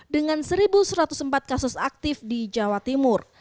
dengan satu satu ratus empat kasus aktif di jawa timur